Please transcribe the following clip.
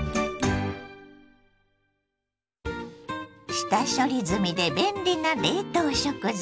下処理済みで便利な冷凍食材